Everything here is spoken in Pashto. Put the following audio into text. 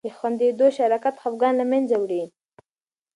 د خندیدو شراکت خفګان له منځه وړي.